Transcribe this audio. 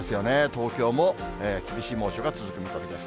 東京も厳しい猛暑が続く見込みです。